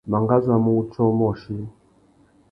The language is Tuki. Mangazu a mú wutiō umôchï.